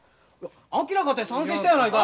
昭かて賛成したやないか！